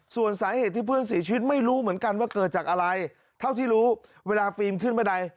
ส่วนสาเหตุที่เพื่อนเสียชีวิตไม่รู้เหมือนกันว่าเกิดจากอะไรเท่าที่รู้เวลาฟิล์มขึ้นบันได